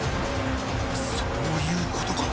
そういうことか。